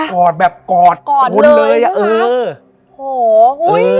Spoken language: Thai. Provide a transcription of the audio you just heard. กอดแบบกอดโดนเลยอะเออ